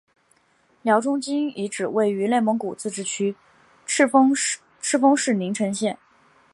辽中京遗址位于内蒙古自治区赤峰市宁城县。